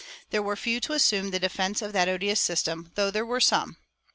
There were few to assume the defense of that odious system, though there were some.